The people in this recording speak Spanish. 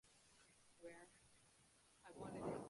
Existen dos tipos: con barreras y sin barreras.